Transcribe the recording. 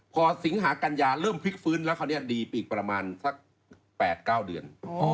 พอสิงหากัญญาเริ่มพลิกฟื้นแล้วเขาดีปีกประมาณ๘๙เดือน